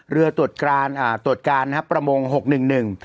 เรือตรวจการอ่าตรวจการนะครับประมงหกหนึ่งหนึ่ง